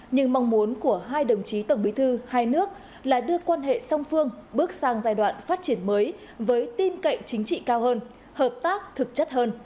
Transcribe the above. nhưng mong muốn của hai đồng chí tổng bí thư hai nước là đưa quan hệ song phương bước sang giai đoạn phát triển mới với tin cậy chính trị cao hơn